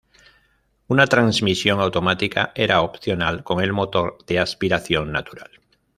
Una transmisión automática era opcional con el motor de aspiración natural.